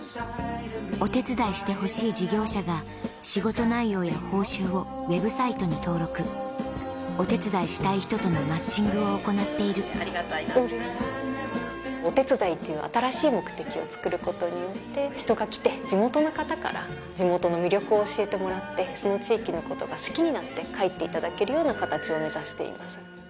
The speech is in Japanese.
お手伝いしてほしい事業者が仕事内容や報酬をウェブサイトに登録お手伝いしたい人とのマッチングを行っているお手伝いという新しい目的を作ることによって人が来て地元の方から地元の魅力を教えてもらってその地域のことが好きになって帰っていただけるような形を目指しています。